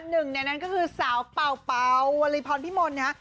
หนึ่งในนั้นก็คือสาวเป่าวลีพรพิมลนะฮะ